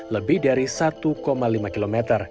lebih dari satu lima km